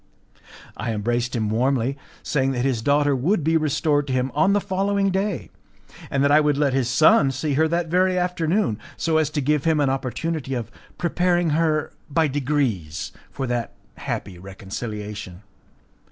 I embraced him warmly, saying that his daughter would be restored to him on the following day, and that I would let his son see her that very afternoon, so as to give him an opportunity of preparing her by degrees for that happy reconciliation.